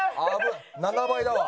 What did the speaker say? ７倍だわ。